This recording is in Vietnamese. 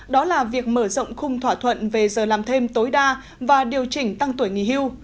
đó là việc mở rộng khung thỏa thuận về giờ làm thêm tối đa và điều chỉnh tăng tuổi nghỉ hưu